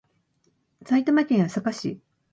埼玉県朝霞市